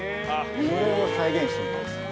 それを再現してみたんです。